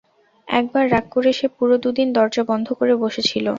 একবার রাগ করে সে পুরো দুদিন দরজা বন্ধ করে বসেছিল।